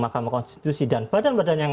mahkamah konstitusi dan badan badan yang